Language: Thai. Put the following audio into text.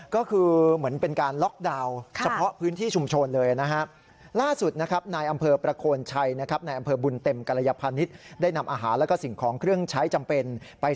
ก็คือเหมือนเป็นการล็อกดาวน์